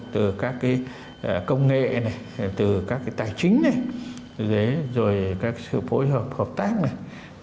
từ các cái công nghệ này từ các cái tài chính này rồi các sự phối hợp hợp tác này